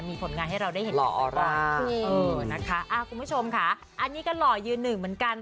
มีผลงานให้เราได้เห็นหล่อออร่านะคะคุณผู้ชมค่ะอันนี้ก็หล่อยืนหนึ่งเหมือนกัน